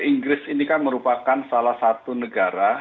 inggris ini kan merupakan salah satu negara